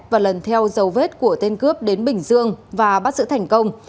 và lần theo dấu vết của tên cướp đến bình dương và bắt giữ thành công